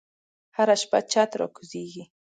هره شپه چت راکوزیږې